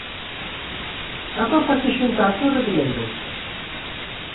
Atópase xunto á Torre de Londres.